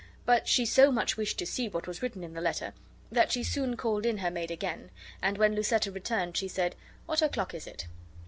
But she so much wished to see what was written in the letter that she soon called in her maid again; and when Lucetta returned she said, "What o'clock is it?"